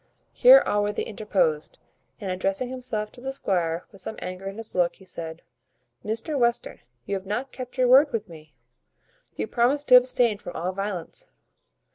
Here Allworthy interposed, and addressing himself to the squire with some anger in his look, he said, "Mr Western, you have not kept your word with me. You promised to abstain from all violence."